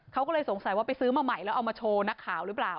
เขาก็เลยสงสัยว่าไปซื้อมาใหม่แล้วเอามาโชว์นักข่าวหรือเปล่า